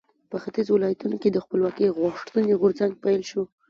په ختیځو ولایاتو کې د خپلواکۍ غوښتنې غورځنګونو پیل شو.